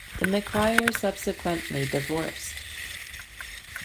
The McCrerys subsequently divorced.